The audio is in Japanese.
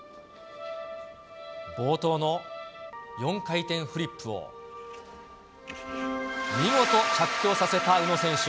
冒頭の４回転フリップを、見事、着氷させた宇野選手。